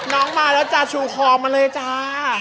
น้องมาแล้วจ้าชูคอมาเลยจ้า